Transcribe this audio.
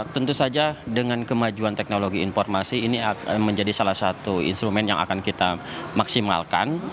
tentu saja dengan kemajuan teknologi informasi ini menjadi salah satu instrumen yang akan kita maksimalkan